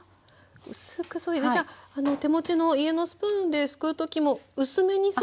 薄くそいでじゃあ手持ちの家のスプーンですくう時も薄めにそぐように。